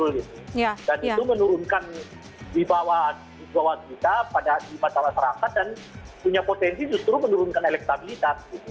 dan itu menurunkan di bawah kita pada di masyarakat dan punya potensi justru menurunkan elektabilitas